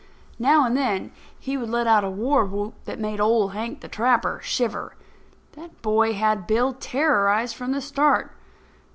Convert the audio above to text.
Now and then he would let out a war whoop that made Old Hank the Trapper shiver. That boy had Bill terrorized from the start.